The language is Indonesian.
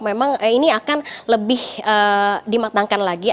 memang ini akan lebih dimatangkan lagi